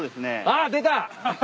あっ出た！